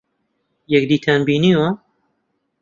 یەکدیتان بینیوە؟